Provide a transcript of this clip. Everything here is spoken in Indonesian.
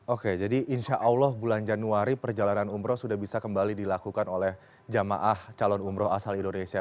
oke jadi insya allah bulan januari perjalanan umroh sudah bisa kembali dilakukan oleh jamaah calon umroh asal indonesia